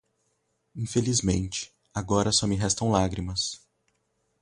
Infelizmente, agora só me restam lágrimas